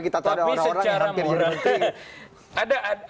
tapi secara moral